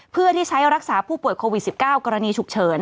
เพื่อที่ใช้รักษาผู้ป่วยโควิด๑๙กรณีฉุกเฉิน